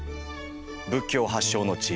仏教発祥の地